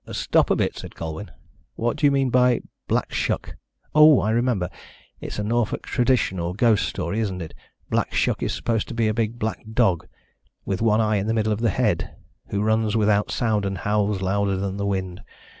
"Stop a bit," said Colwyn. "What do you mean by Black Shuck? Oh, I remember. It's a Norfolk tradition or ghost story, isn't it? Black Shuck is supposed to be a big black dog, with one eye in the middle of the head, who runs without sound and howls louder than the wind.